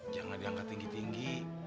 jangan diangkat tinggi tinggi